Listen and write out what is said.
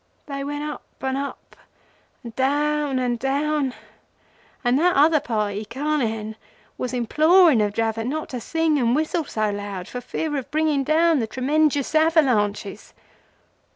They went up and up, and down and down, and that other party Carnehan, was imploring of Dravot not to sing and whistle so loud, for fear of bringing down the tremenjus avalanches.